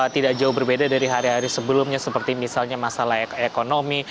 tidak jauh berbeda dari hari hari sebelumnya seperti misalnya masalah ekonomi